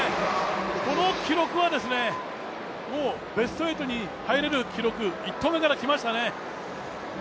この記録はもうベスト８に入れる記録、１投目からきましたね。